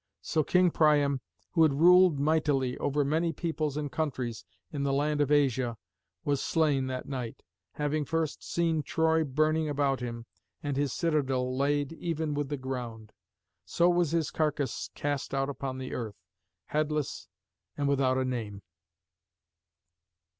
So King Priam, who had ruled mightily over many peoples and countries in the land of Asia, was slain that night, having first seen Troy burning about him, and his citadel laid even with the ground. So was his carcass cast out upon the earth, headless, and without a name.